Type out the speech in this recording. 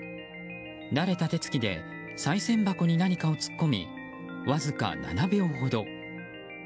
慣れた手つきでさい銭箱に何かを突っ込みわずか７秒ほど。